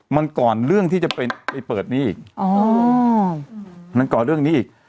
มันก่อนเรื่องที่จะไปเปิดนี้อีกอ๋อมันก่อเรื่องนี้อีก